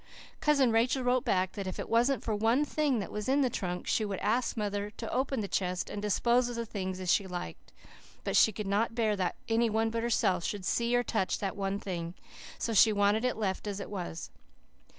Cousin Rachel wrote back that if it wasn't for one thing that was in the trunk she would ask mother to open the chest and dispose of the things as she liked. But she could not bear that any one but herself should see or touch that one thing. So she wanted it left as it was.